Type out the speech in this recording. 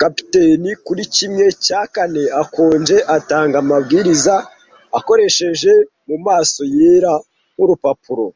Kapiteni kuri kimwe cya kane akonje atanga amabwiriza akoresheje mumaso yera nk'urupapuro,